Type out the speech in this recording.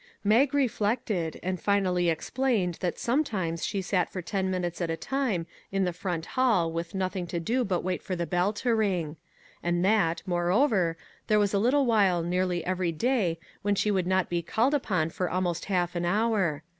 " Mag reflected, and finally explained that sometimes she sat for ten minutes at a time in the front hall with nothing to do but wait for the bell to ring ; and that, moreover, there was a little while nearly every day when she would not be called upon for almost half an hour.